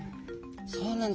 そうなんです。